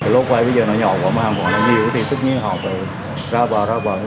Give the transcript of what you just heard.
lốt vai bây giờ nó nhỏ quá mà hàng quận nó nhiều thì tất nhiên họ phải ra bờ ra bờ